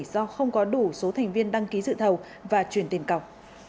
do không có đủ số thành viên đăng ký dự thầu và chuyển tiền cọc